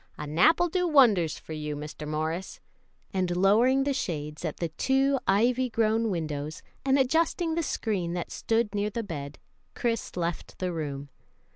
"A nap'll do wonders for you, Mr. Morris;" and lowering the shades at the two ivy grown windows, and adjusting the screen that stood near the bed, Chris left the room.